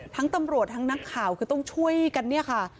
ทั้งตำรวจทั้งนักข่าวคือต้องช่วยกันเนี่ยค่ะ